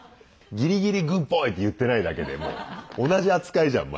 ギリギリ「グッドボーイ」って言ってないだけでもう同じ扱いじゃん